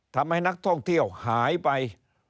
ทำให้นักท่องเที่ยวหายไป